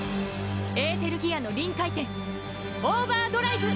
エーテルギアの臨界点オーバードライブ！